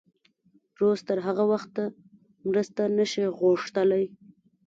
روس تر هغه وخته مرسته نه شي غوښتلی.